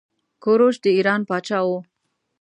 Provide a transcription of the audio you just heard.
کوروش د ايران پاچا وه.